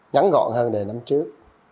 nhắn gọn hơn đề năm trước